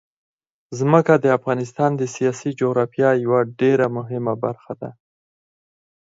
ځمکه د افغانستان د سیاسي جغرافیه یوه ډېره مهمه برخه ده.